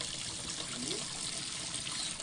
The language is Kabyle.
D kunwi?